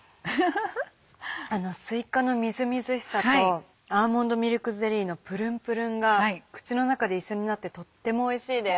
あのすいかのみずみずしさとアーモンドミルクゼリーのぷるんぷるんが口の中で一緒になってとってもおいしいです。